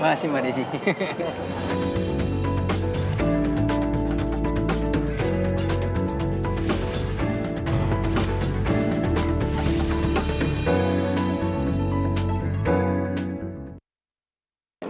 makasih mbak desy